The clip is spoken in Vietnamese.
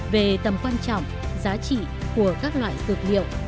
về tầm quan trọng giá trị của các loại dược liệu